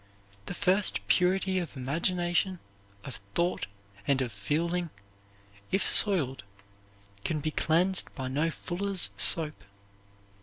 The first purity of imagination, of thought, and of feeling, if soiled, can be cleansed by no fuller's soap.